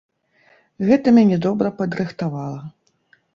Гэта мяне добра падрыхтавала.